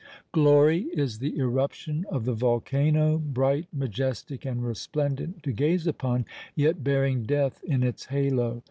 Glory is the eruption of the volcano—bright, majestic, and resplendent to gaze upon—yet bearing death in its halo.